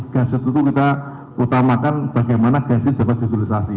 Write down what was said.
gas itu kita utamakan bagaimana gas ini dapat disesualisasi